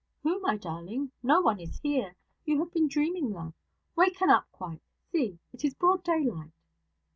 'Who, my darling? No one is here. You have been dreaming, love. Waken up quite. See, it is broad daylight.'